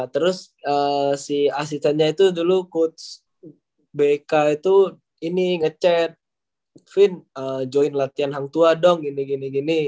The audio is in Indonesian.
terus si asistennya itu dulu coach bk itu ini ngechat vin join latihan hang tua dong gini gini gini